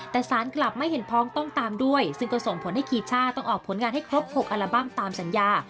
แต่สารกลับไม่เห็นพ้องต้องตามด้วยซึ่งก็ส่งผลให้คีช่าต้องออกผลงานให้ครบ๖อัลบั้มตามสัญญา